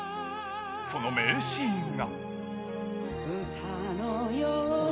その名シーンが。